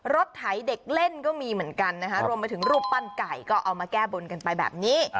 ไถเด็กเล่นก็มีเหมือนกันนะคะรวมไปถึงรูปปั้นไก่ก็เอามาแก้บนกันไปแบบนี้